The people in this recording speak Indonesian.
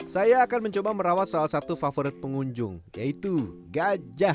saya akan mencoba merawat salah satu favorit pengunjung yaitu gajah